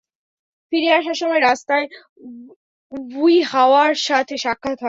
ফিরে আসার সময় রাস্তায় ইউহাওয়ার সাথে সাক্ষাৎ হয়।